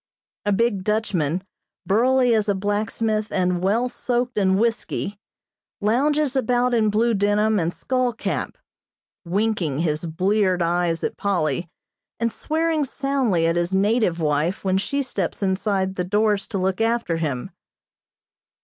A big Dutchman, burly as a blacksmith and well soaked in whiskey, lounges about in blue denim and skull cap, winking his bleared eyes at Polly and swearing soundly at his native wife when she steps inside the doors to look after him.